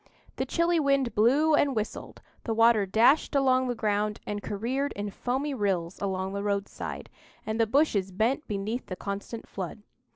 The chilly wind blew and whistled, the water dashed along the ground and careered in foamy rills along the roadside, and the bushes bent beneath the constant flood.